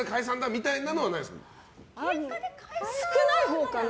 みたいなのは少ないほうかな？